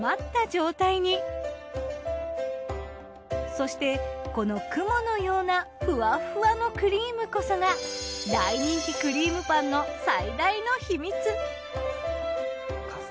そしてこの雲のようなふわふわのクリームこそが大人気くりーむパンの最大の秘密。